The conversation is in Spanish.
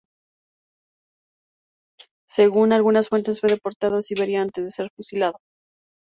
Según algunas fuentes, fue deportado a Siberia antes de ser fusilado.